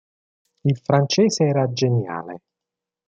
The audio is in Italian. Il francese era geniale.